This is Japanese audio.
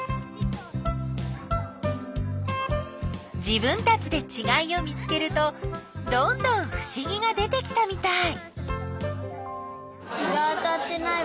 自分たちでちがいを見つけるとどんどんふしぎが出てきたみたい！